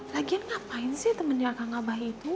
lagian ngapain sih temennya kang abah itu